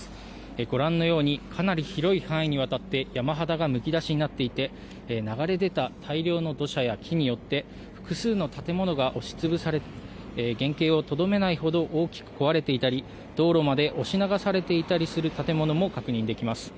ご覧のようにかなり広い範囲にわたって山肌がむき出しになっていて流れ出た大量の土砂や木によって複数の建物が押し潰され原形をとどめないほど大きく壊れていたり道路まで押し流されていたりする建物も確認できます。